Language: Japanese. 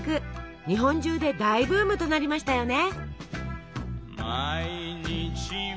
日本中で大ブームとなりましたよね。